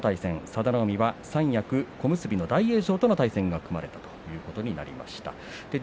佐田の海は三役小結の大栄翔との対戦が組まれたということになりました。